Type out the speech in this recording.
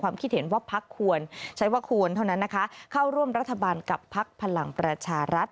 คิดเห็นว่าพักควรใช้ว่าควรเท่านั้นนะคะเข้าร่วมรัฐบาลกับพักพลังประชารัฐ